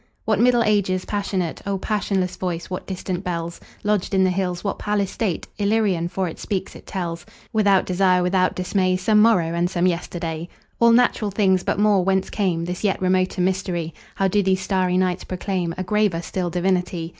What Middle Ages passionate,O passionless voice! What distant bellsLodged in the hills, what palace stateIllyrian! For it speaks, it tells, Without desire, without dismay, Some morrow and some yesterday. All natural things! But more—Whence cameThis yet remoter mystery? How do these starry notes proclaimA graver still divinity?